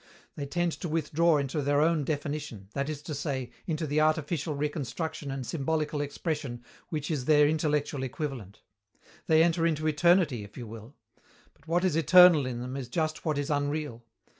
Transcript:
They tend to withdraw into their own definition, that is to say, into the artificial reconstruction and symbolical expression which is their intellectual equivalent. They enter into eternity, if you will; but what is eternal in them is just what is unreal.